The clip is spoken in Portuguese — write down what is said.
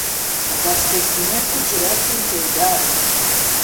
abastecimento direto integrado